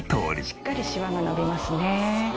しっかりシワが伸びますね。